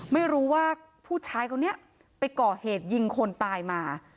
ไม่รู้ว่าผู้ชายคนนี้ไปก่อเหตุยิงคนตายมา